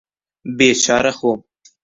بێچارە خۆم